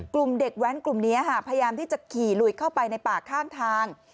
กลุ่มเด็กแว้นกลุ่มนี้พยายามที่จะขี่ลุยเข้าไปในป่าข้างทาง